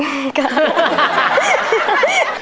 ฮ่าฮ่า